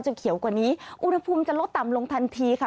เขียวกว่านี้อุณหภูมิจะลดต่ำลงทันทีค่ะ